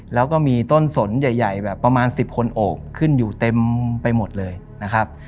แล้วก็มีต้นสนใหญ่แบบประมาณ๑๐คนโอ่งขึ้นอยู่เต็มไปหมดเลยนะครับ